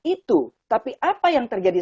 itu tapi apa yang terjadi